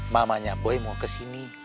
mamanya boy mau kesini